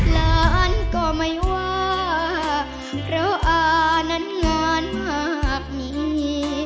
หลานก็ไม่ว่าเพราะอานั้นงานมากมี